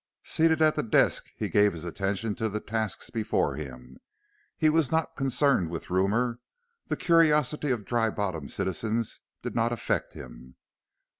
Seated at the desk he gave his attention to the tasks before him he was not concerned with rumor; the curiosity of Dry Bottom's citizens did not affect him.